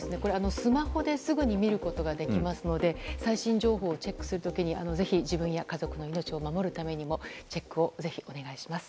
スマホですぐに見ることができますので最新情報をチェックする時にぜひ、自分や家族の命を守るためにもチェックをぜひお願いします。